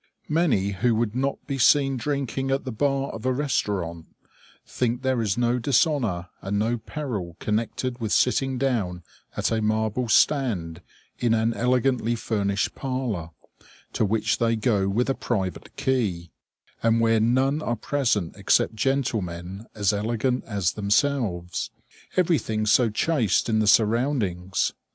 Many who would not be seen drinking at the bar of a restaurant, think there is no dishonor and no peril connected with sitting down at a marble stand in an elegantly furnished parlor, to which they go with a private key, and where none are present except gentlemen as elegant as themselves. Everything so chaste in the surroundings!